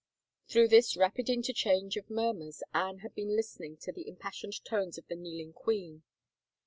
Through this rapid interchange of murmurs Anne had been listening to the impassioned tones of the kneeling queen.